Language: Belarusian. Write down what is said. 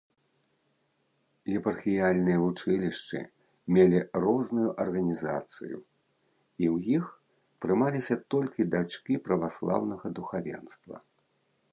Епархіяльныя вучылішчы мелі розную арганізацыю і ў іх прымаліся толькі дачкі праваслаўнага духавенства.